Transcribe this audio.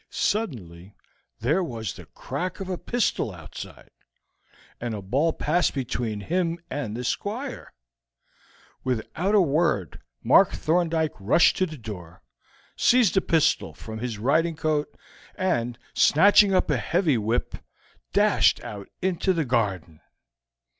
Suddenly there was the crack of a pistol outside, and a ball passed between him and the Squire. Without a word, Mark Thorndyke rushed to the door, seized a pistol from his riding coat, and, snatching up a heavy whip, dashed out into the garden.